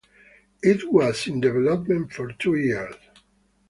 It was in development for two years.